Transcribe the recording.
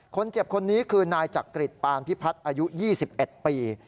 คนเจ็บคนนี้คือนายจักริตปานพิพัฒน์อายุ๒๑ปี